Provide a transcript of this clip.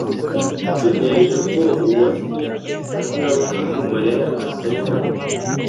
Natekereje ko Uwase atazabona ko Mariya atari hano